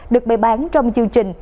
được bày bán trong chương trình